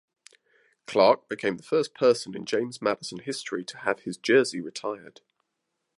Clark became the first person in James Madison history to have his jersey retired.